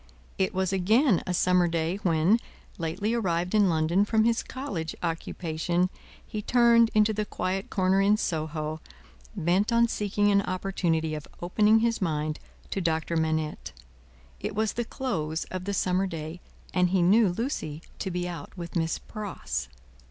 It was again a summer day when, lately arrived in London from his college occupation, he turned into the quiet corner in Soho, bent on seeking an opportunity of opening his mind to Doctor Manette. It was the close of the summer day, and he knew Lucie to be out with Miss Pross.